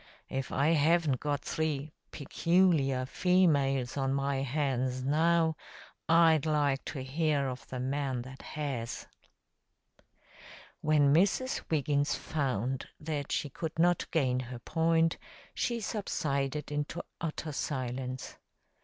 If I haven't got three 'peculiar females' on my hands now, I'd like to hear of the man that has." When Mrs. Wiggins found that she could not gain her point, she subsided into utter silence.